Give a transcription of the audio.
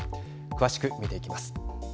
詳しく見ていきます。